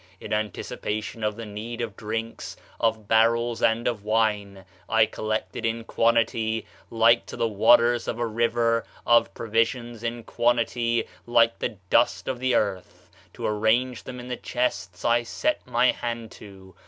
In [anticipation of the need of] drinks, of barrels, and of wine [I collected in quantity] like to the waters of a river, [of provisions] in quantity like to the dust of the earth. [To arrange them in] the chests I set my hand to.